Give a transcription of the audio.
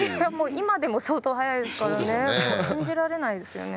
今でも相当速いですからね信じられないですよね。